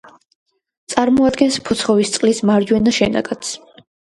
წარმოადგენს ფოცხოვისწყლის მარჯვენა შენაკადს.